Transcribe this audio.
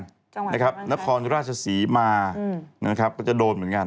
จังหวัดนับความราชศรีมาก็จะโดนเหมือนกัน